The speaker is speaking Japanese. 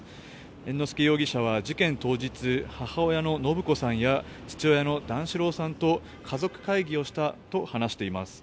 猿之助容疑者は事件当日母親の延子さんや父親の段四郎さんと家族会議をしたと話しています。